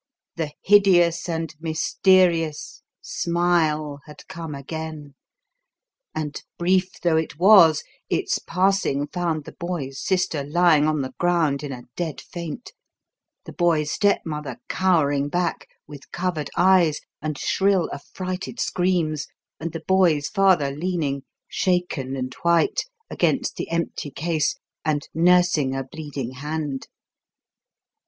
The hideous and mysterious "smile" had come again, and, brief though it was, its passing found the boy's sister lying on the ground in a dead faint, the boy's stepmother cowering back, with covered eyes and shrill, affrighted screams, and the boy's father leaning, shaken and white, against the empty case and nursing a bleeding hand.